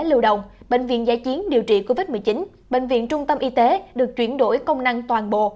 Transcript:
lưu động bệnh viện giai chiến điều trị covid một mươi chín bệnh viện trung tâm y tế được chuyển đổi công năng toàn bộ